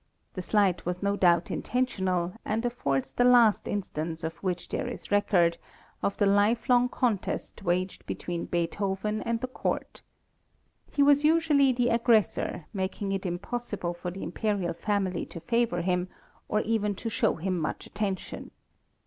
The slight was no doubt intentional, and affords the last instance of which there is record, of the lifelong contest waged between Beethoven and the court. He was usually the aggressor, making it impossible for the Imperial family to favor him, or even to show him much attention.